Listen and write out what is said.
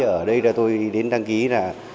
ở đây tôi đến đăng ký là